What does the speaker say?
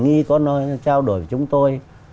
nguy có trao đổi với chúng tôi